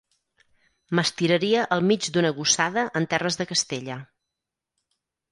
M'estiraria al mig d'una gossada en terres de Castella.